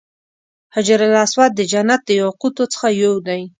حجر اسود د جنت د یاقوتو څخه یو دی.